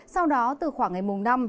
sau đó từ khoảng ngày mùng năm